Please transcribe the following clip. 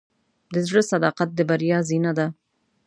د زړۀ صداقت د بریا زینه ده.